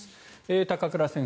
高倉先生